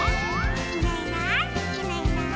「いないいないいないいない」